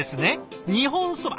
日本そば？